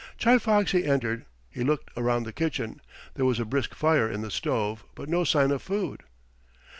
Chi Foxy entered. He looked around the kitchen. There was a brisk fire in the stove, but no sign of food.